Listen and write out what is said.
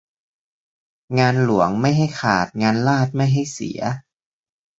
งานหลวงไม่ให้ขาด งานราษฎร์ไม่ให้เสีย